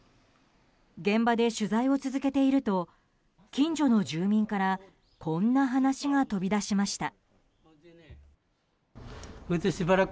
現場で取材を続けていると近所の住民からこんな話が飛び出しました。